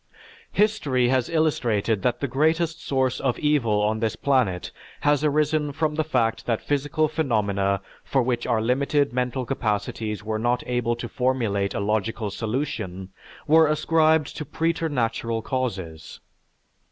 History has illustrated that the greatest source of evil on this planet has arisen from the fact that physical phenomena for which our limited mental capacities were not able to formulate a logical solution, were ascribed to preternatural causes.